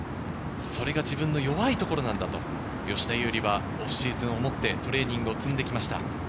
それが自分の弱いところなんだと、吉田優利はオフシーズンを持って、トレーニングを積んできました。